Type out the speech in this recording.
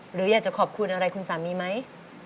หรืออยากจะขอบคุณอะไรคุณสามีไหม